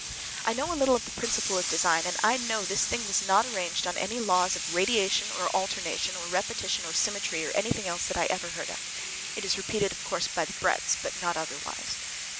I know a little of the principle of design, and I know this thing was not arranged on any laws of radiation, or alternation, or repetition, or symmetry, or anything else that I ever heard of. It is repeated, of course, by the breadths, but not otherwise.